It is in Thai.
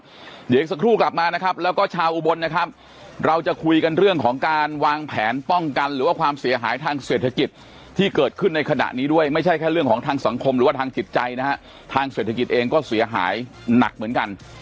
เดี๋ยวอีกสักครู่กลับมานะครับแล้วก็ชาวอุบลนะครับเราจะคุยกันเรื่องของการวางแผนป้องกันหรือว่าความเสียหายทางเศรษฐกิจที่เกิดขึ้นในขณะนี้ด้วยไม่ใช่แค่เรื่องของทางสังคมหรือว่าทางจิตใจนะฮะทางเศรษฐกิจเองก็เสียหายหนักเหมือนกัน